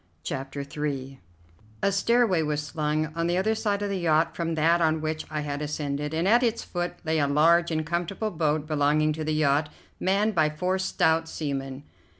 CHAPTER III A stairway was slung on the other side of the yacht from that on which I had ascended, and at its foot lay a large and comfortable boat belonging to the yacht, manned by four stout seamen.